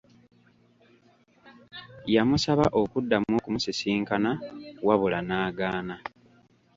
Yamusaba okuddamu okumusisinkana wabula n'agaana.